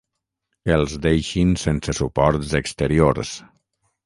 Els deixin sense suports exteriors.